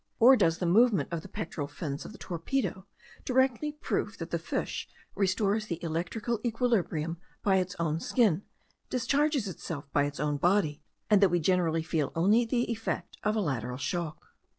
or does the movement of the pectoral fins of the torpedo directly prove that the fish restores the electrical equilibrium by its own skin, discharges itself by its own body, and that we generally feel only the effect of a lateral shock?